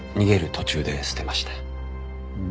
途中で捨てました。